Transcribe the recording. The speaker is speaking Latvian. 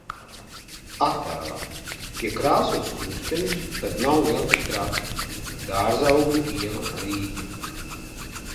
Attēlā: Ja krāso skursteņus, tad nav vēl tik traki. Dārzaugļu ielā, Rīga.